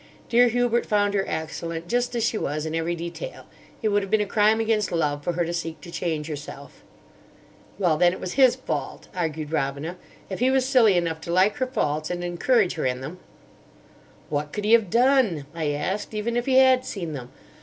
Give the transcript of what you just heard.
Dear Hubert found her excellent just as she was in every detail. It would have been a crime against Love for her to seek to change herself." "Well, then, it was his fault," argued Robina. "If he was silly enough to like her faults, and encourage her in them—" "What could he have done," I asked, "even if he had seen them?